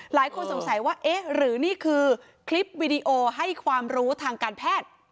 หลายคนสงสัยว่าเอ๊ะหรือนี่คือคลิปวิดีโอให้ความรู้ทางการแพทย์